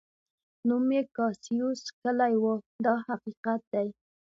نوم یې کاسیوس کلي و دا حقیقت دی.